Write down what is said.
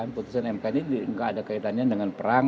putusan mk ini tidak ada kaitannya dengan perang